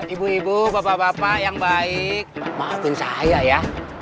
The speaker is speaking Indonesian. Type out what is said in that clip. ibu ibu bapak bapak yang baik maafin cahaya ya